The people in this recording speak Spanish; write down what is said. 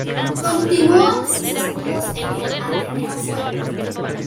Continuó sus estudios en el Ateneo Fuente.